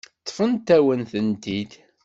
Ṭṭfent-awen-tent-id.